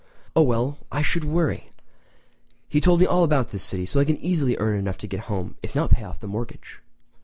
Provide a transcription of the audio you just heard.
Oh well, I should worry! He told me all about the city so I can easily earn enough to get home if not to pay off the mortgage!"